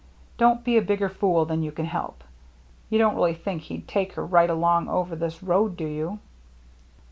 Don't be a bigger fool than you can help. You don't really think he'd take her right along over this road, do you